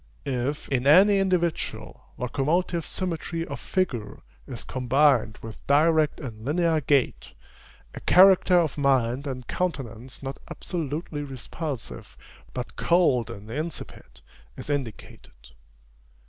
If, in any individual, locomotive symmetry of figure is combined with direct and linear gait, a character of mind and countenance not absolutely repulsive, but cold and insipid, is indicated.